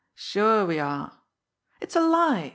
"Sure, we are!" "It's a lie!"